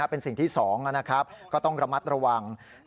เป็นสิ่งที่๒นะครับก็ต้องระมัดระวัง